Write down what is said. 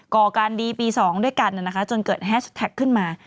ก่อการดีปี๒ด้วยกันจนเกิดแฮชแท็กขึ้นมา